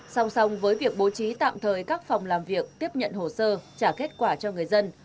song song với việc bố trí tạm thời các phòng làm việc tiếp nhận hồ sơ trả kết quả cho người dân